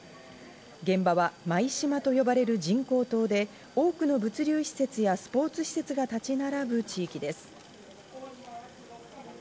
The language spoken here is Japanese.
現場は舞洲と呼ばれる人工島で多くの物流施設やスポーツ施設が立ち並ぶ地域です。